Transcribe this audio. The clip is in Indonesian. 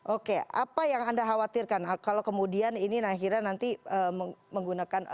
oke apa yang anda khawatirkan kalau kemudian ini akhirnya nanti menggunakan